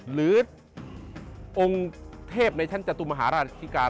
หรือองค์เทพในชั้นจตุมหาราชธิการ